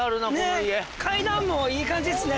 階段もいい感じですね。